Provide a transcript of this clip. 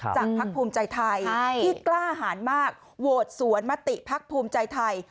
พักภูมิใจไทยที่กล้าหารมากโหวตสวนมติภักดิ์ภูมิใจไทย